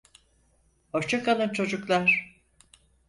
Hoşça kalın çocuklar.